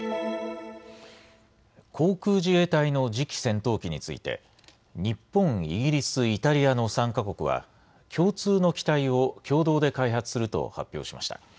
航空自衛隊の次期戦闘機について日本、イギリス、イタリアの３か国は共通の機体を共同で開発すると発表しました。